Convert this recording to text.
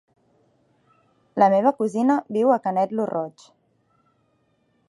La meva cosina viu a Canet lo Roig.